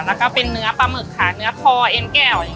แล้วก็เป็นเนื้อปลาหมึกค่ะเนื้อคอเอ็นแก้ว